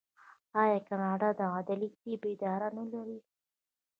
آیا کاناډا د عدلي طب اداره نلري؟